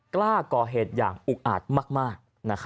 กล้าก่อเหตุอย่างอุกอาจมาก